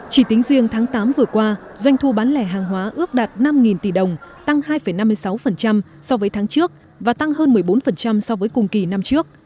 chỉ tính riêng tháng tám vừa qua doanh thu bán lẻ hàng hóa ước đạt năm tỷ đồng tăng hai năm mươi sáu so với tháng trước và tăng hơn một mươi bốn so với cùng kỳ năm trước